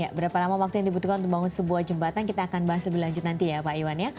ya berapa lama waktu yang dibutuhkan untuk membangun sebuah jembatan kita akan bahas lebih lanjut nanti ya pak iwan ya